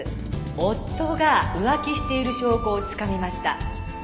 「夫が浮気している証拠をつかみました」